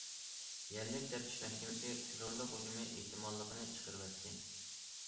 يەرلىك تەپتىش مەھكىمىسى تېررورلۇق ھۇجۇمى ئېھتىماللىقىنى چىقىرىۋەتتى.